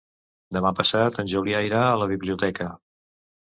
Demà passat en Julià irà a la biblioteca.